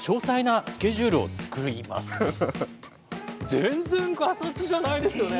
全然ガサツじゃないですよね。